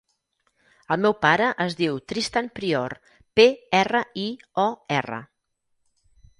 El meu pare es diu Tristan Prior: pe, erra, i, o, erra.